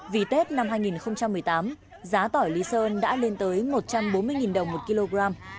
vì tết năm hai nghìn một mươi tám giá tỏi lý sơn đã lên tới một trăm bốn mươi đồng một kg